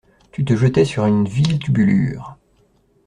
Tu te jetais sur une vile tubulure!